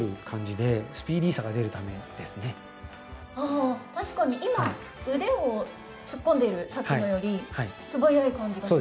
あ確かに今腕を突っ込んでいるさっきのより素早い感じがしますね。